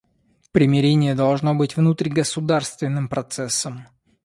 Примирение должно быть внутригосударственным процессом.